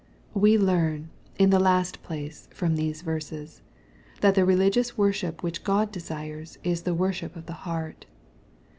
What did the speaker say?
We learn^ in the last place, from these verses, that the religious worship which, Ood desires, is the worship of the heart.